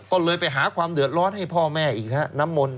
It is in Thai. ก็เลยไปหาความเดือดร้อนให้พ่อแม่อีกฮะน้ำมนต์